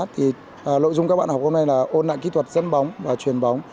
thì nội dung các bạn học hôm nay là ôn lại kỹ thuật dân bóng và truyền bóng